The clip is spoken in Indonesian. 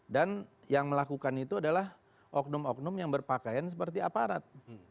dan yang melakukan itu adalah oknum oknum yang berpakaian seperti aparat